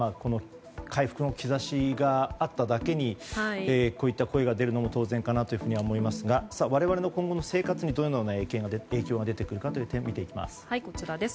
回復の兆しがあっただけにこういった声が出るのも当然かなと思いますが我々の今後の生活にどのような影響が出てくるか見ていきます。